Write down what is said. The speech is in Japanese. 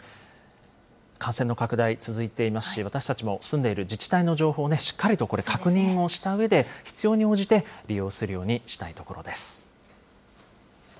感染の拡大続いていますし、私たちも住んでいる自治体の情報を、しっかりとこれ、確認をしたうえで、必要に応じて利用するようにしたいところです。